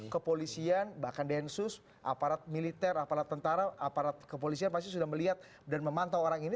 kepolisian bahkan densus aparat militer aparat tentara aparat kepolisian pasti sudah melihat dan memantau orang ini